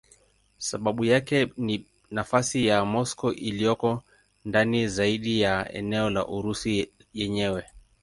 Sababu yake ni nafasi ya Moscow iliyoko ndani zaidi ya eneo la Urusi yenyewe.